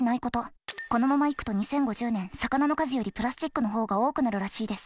このままいくと２０５０年魚の数よりプラスチックの方が多くなるらしいです。